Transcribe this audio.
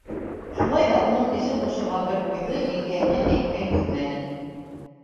Шулай ҙа уның эсен бошорған бер уйҙы еңгәһенә әйтмәй түҙмәне.